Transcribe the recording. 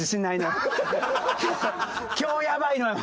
今日やばいのよ。